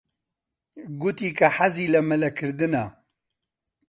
گوتی کە حەزی لە مەلەکردنە.